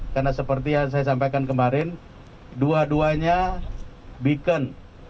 karena seperti yang saya sampaikan kemarin dua duanya beacon